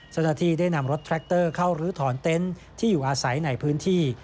เจ้าหน้าที่ได้นำรถแทรคเตอร์เข้ารื้อถอนเต็นต์ที่อยู่อาศัยในพื้นที่